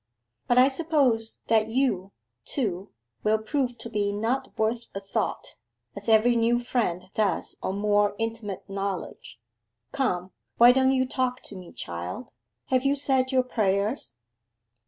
But I suppose that you, too, will, prove to be not worth a thought, as every new friend does on more intimate knowledge. Come, why don't you talk to me, child? Have you said your prayers?